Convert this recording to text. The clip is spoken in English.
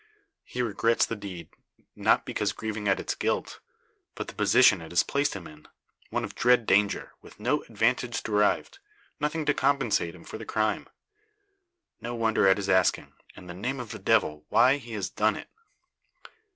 He regrets the deed, not because grieving at its guilt, but the position it has placed him in one of dread danger, with no advantage derived, nothing to compensate him for the crime. No wonder at his asking, in the name of the Devil, why he has done it!